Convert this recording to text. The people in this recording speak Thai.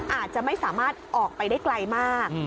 อาจจะไม่สามารถออกไปได้ไกลมาก